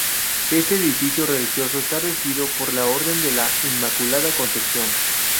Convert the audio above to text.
Este edificio religioso está regido por la Orden de la Inmaculada Concepción.